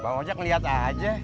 bang ojek ngeliat aja